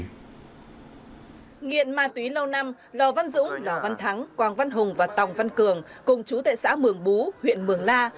nghiện ma túy lâu năm lò văn dũng lò văn thắng quang văn hùng và tòng văn cường cùng chú tại xã mường bú huyện mường la